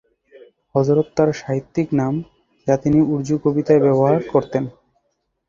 হযরত তার সাহিত্যিক নাম যা তিনি উর্দু কবিতায় ব্যবহার করতেন।